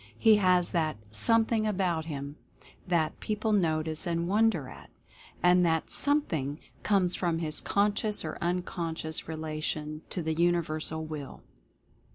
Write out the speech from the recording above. He has that 'something about him' that people notice and wonder at. And that 'something' comes from his conscious or unconscious relation to the Universal Will."